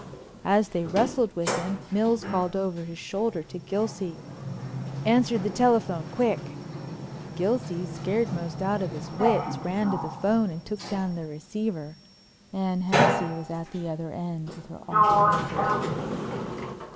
As they wrestled with him Mills called over his shoulder to Gilsey: "Answer that telephone, quick." Gilsey, scared most out of his wits, ran to the phone and took down the receiver. Anne Hennessey was at the other end with her awful message.